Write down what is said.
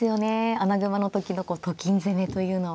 穴熊の時のこうと金攻めというのは。